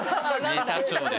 ネタ帳です。